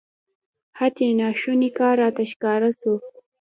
حتی ناشونی کار راته ښکاره سو.